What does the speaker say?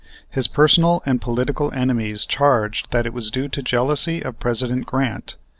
His personal and political enemies charged that it was due to jealousy of President Grant.